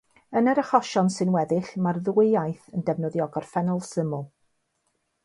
Yn yr achosion sy'n weddill, mae'r ddwy iaith yn defnyddio gorffennol syml.